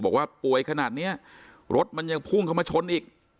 บอกว่าป่วยขนาดนี้รถมันยังพุ่งเข้ามาชนอีก